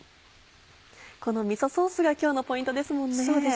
このみそソースが今日のポイントですもんね。